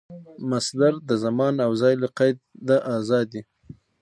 مصدر د زمان او ځای له قیده آزاد يي.